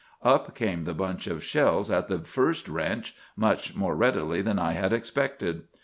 "'Up came the bunch of shells at the first wrench, much more readily than I had expected.